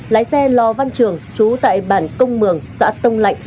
lái xe lò văn trường trú tại bản công mường xã tông lạnh